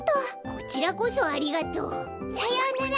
こちらこそありがとう。さようなら。